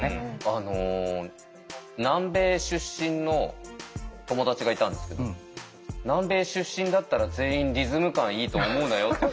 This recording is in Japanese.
あの南米出身の友達がいたんですけど南米出身だったら全員リズム感いいと思うなよって。